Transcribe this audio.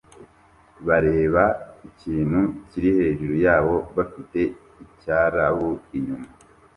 bareba ikintu kiri hejuru yabo bafite icyarabu inyuma